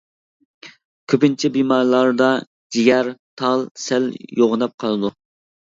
كۆپىنچە بىمارلاردا جىگەر، تال سەل يوغىناپ قالىدۇ.